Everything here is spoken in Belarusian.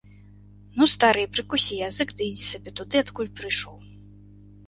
Ну, стары, прыкусі язык ды ідзі сабе туды, адкуль прыйшоў.